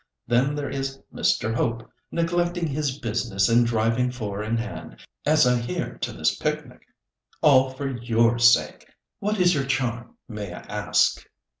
Then there is Mr. Hope, neglecting his business and driving four in hand, as I hear to this picnic, all for your sake! What is your charm, may I ask?"